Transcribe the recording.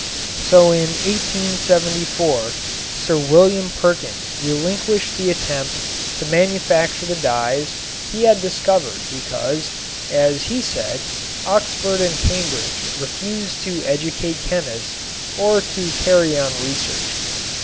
So in 1874 Sir William Perkin relinquished the attempt to manufacture the dyes he had discovered because, as he said, Oxford and Cambridge refused to educate chemists or to carry on research.